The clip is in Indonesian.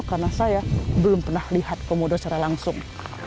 karena saya belum pernah melihat komodo secara langsung